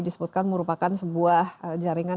disebutkan merupakan sebuah jaringan